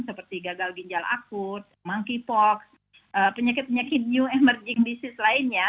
seperti gagal ginjal akut monkeypox penyakit penyakit new emerging disease lainnya